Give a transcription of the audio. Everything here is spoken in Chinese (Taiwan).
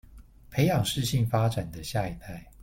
培養適性發展的下一代